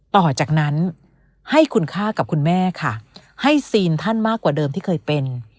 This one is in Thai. ต่อจากนั้นให้คุณค่ากับคุณแม่ค่ะให้ซีนท่านมากกว่าเดิมที่เคยเป็น